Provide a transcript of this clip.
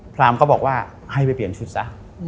พรามก็บอกว่าให้ไปเปลี่ยนชุดซะ